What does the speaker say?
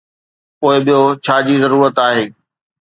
پوء ٻيو ڇا جي ضرورت آهي؟